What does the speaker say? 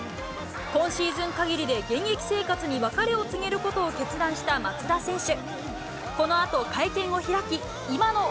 今シーズンかぎりで現役生活に別れを告げることを決断した松田選手。